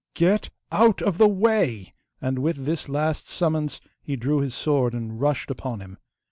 'Get out of the way!' and with this last summons he drew his sword and rushed upon him.